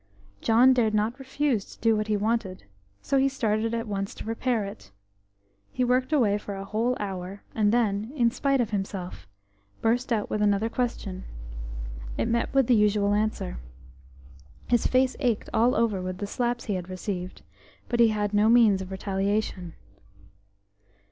John dared not refuse to do what he wanted, so he started at once to repair it. He worked away for a whole hour, and then, in spite of himself, burst out with another question. It met with the usual answer. His face ached all over with the slaps he had received, but he had no means of retaliation.